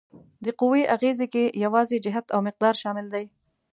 د قوې اغیزې کې یوازې جهت او مقدار شامل دي؟